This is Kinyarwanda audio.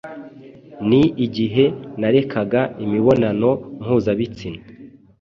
ni igihe narekaga imibonano mpuzabitsina